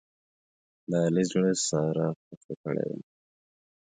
د علي زړه ساره خوښه کړې ده.